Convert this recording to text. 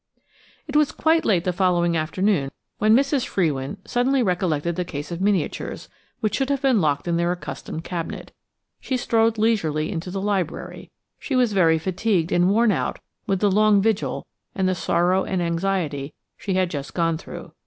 It was quite late the following afternoon when Mrs. Frewin suddenly recollected the case of miniatures, which should have been locked in their accustomed cabinet. She strolled leisurely into the library–she was very fatigued and worn out with the long vigil and the sorrow and anxiety she had just gone through.